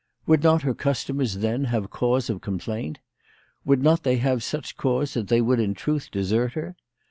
Would not her customers then have cause of complaint ? Would not they have such cause that they would in truth desert her